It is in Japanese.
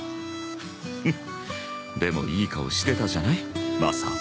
フッでもいい顔してたじゃないマサ坊。